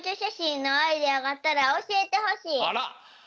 あら！